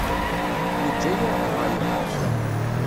Nejja yir ḍḍbayeɛ.